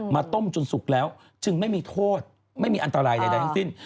ต้มจนสุกแล้วจึงไม่มีโทษไม่มีอันตรายใดทั้งสิ้น